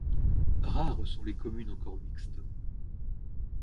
Rares sont les communes encore mixtes.